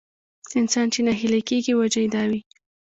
انسان چې ناهيلی کېږي وجه يې دا وي.